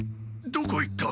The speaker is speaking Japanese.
どこへ行った！？